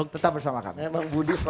tetap bersama kami